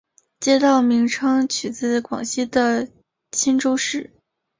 街道名称取自广西的钦州市。